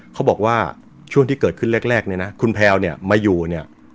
เขาบอกว่าช่วงที่เกิดขึ้นแรกเนี่ยนะคุณแพลวเนี่ยมาอยู่เนี่ย